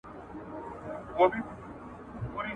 ولي لاسي صنايع د خلګو لپاره مهم وو؟